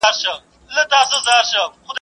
هماغسي پيښه هم سوه.